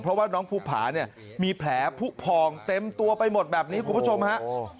เพราะว่าน้องภูผาเนี่ยมีแผลผู้พองเต็มตัวไปหมดแบบนี้คุณผู้ชมฮะ